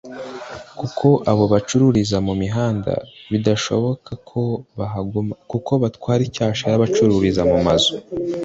kuko abo bacururiza mu mihanda bidashoboka ko bahaguma kuko batwara icyashara abacururiza mu mazu